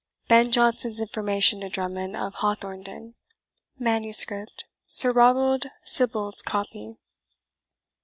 BEN JONSON'S INFORMATION TO DRUMMOND OF HAWTHORNDEN, MS., SIR ROBERT SIBBALD'S COPY.